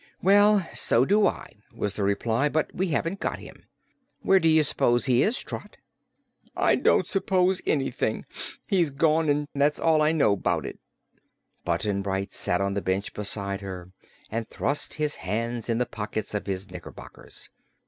"Well, so do I," was the reply. "But we haven't got him. Where do you s'pose he is, Trot? "I don't s'pose anything. He's gone, an' that's all I know 'bout it." Button Bright sat on the bench beside her and thrust his hands in the pockets of his knickerbockers.